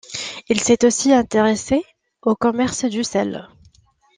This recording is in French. Il s'est aussi intéressé au commerce du sel.